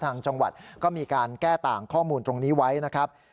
ทางจังหวัดก็มีการแก้ต่างข้อมูลตรงนี้ไว้นะครับ